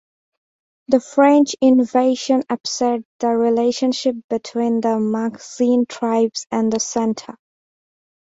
The French invasion upset the relationships between the makhzen tribes and the centre.